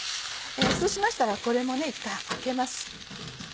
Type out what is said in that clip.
そうしましたらこれも一回空けます。